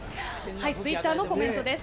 ツイッターのコメントです。